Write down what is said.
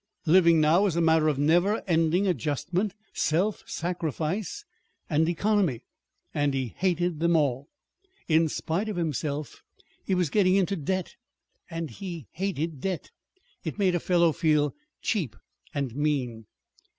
Living now was a matter of never ending adjustment, self sacrifice, and economy. And he hated them all. In spite of himself he was getting into debt, and he hated debt. It made a fellow feel cheap and mean.